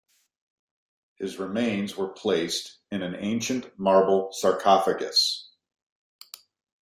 His remains were placed in an ancient marble sarcophagus.